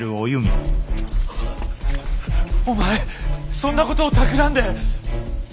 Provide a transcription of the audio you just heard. お前そんなことをたくらんで。